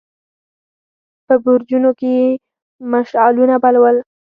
په برجونو کې يې مشعلونه بل ول.